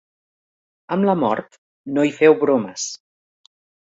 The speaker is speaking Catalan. Amb la mort no hi feu bromes.